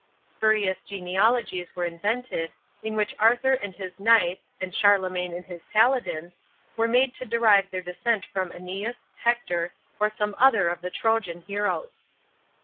Spurious genealogies were invented, in which Arthur and his knights, and Charlemagne and his paladins, were made to derive their descent from Aeneas, Hector, or some other of the Trojan heroes.